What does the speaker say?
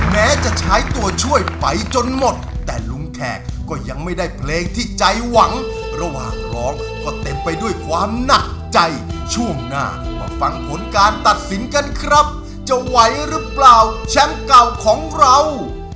แม้จะใช้ตัวช่วยไปจนหมดแต่ลุงแขกก็ยังไม่ได้เพลงที่ใจหวังระหว่างร้องก็เต็มไปด้วยความหนักใจช่วงหน้ามาฟังผลการตัดสินกันครับจะไหวหรือเปล่าแชมป์เก่าของเรา